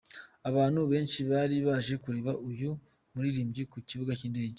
Abantu benshi bari baje kureba Uyu muririmbyi ku Kibuga cy'indege.